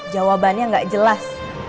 jawabannya gak jelas